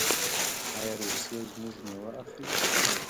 آیا روسیه زموږ میوه اخلي؟